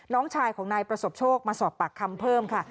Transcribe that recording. น้องชายของนายประสบโชคมาสอบปากคำเพิ่มค่ะ